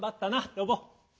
ロボ。